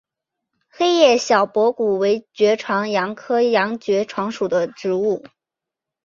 黑叶小驳骨为爵床科洋爵床属的植物。